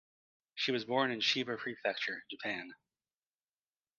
She was born in Chiba Prefecture, Japan.